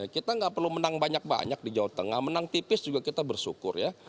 kita nggak perlu menang banyak banyak di jawa tengah menang tipis juga kita bersyukur ya